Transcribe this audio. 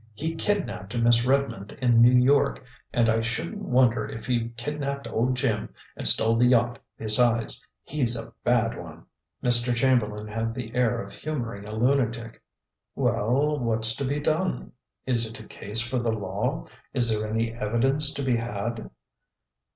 He kidnapped Miss Redmond in New York, and I shouldn't wonder if he kidnapped old Jim and stole the yacht besides. He's a bad one." Mr. Chamberlain had the air of humoring a lunatic. "Well, what's to be done? Is it a case for the law? Is there any evidence to be had?"